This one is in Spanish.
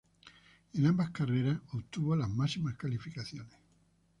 En ambas carreras obtuvo las máximas calificaciones.